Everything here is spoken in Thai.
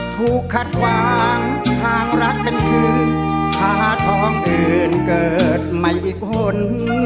ถูกคัดวางทางรักเป็นคืนพาทองอื่นเกิดใหม่อีกคน